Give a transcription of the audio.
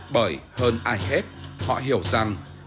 bởi hơn ai hết họ hiểu rằng